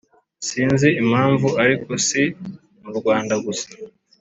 Sinzi impamvu, ariko si mu Rwanda gusa.